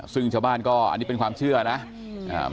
ซึ่งชาวบ้านก็อันนี้เป็นความเชื่อนะ